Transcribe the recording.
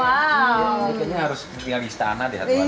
kayaknya harus tinggal di istana di hati mereka